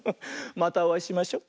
またおあいしましょ。